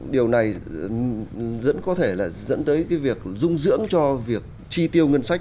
điều này rất có thể là dẫn tới cái việc dung dưỡng cho việc chi tiêu ngân sách